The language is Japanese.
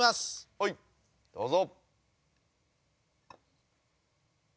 はいどうぞ。